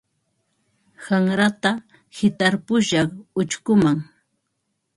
Qanrata hitarpushaq uchkuman.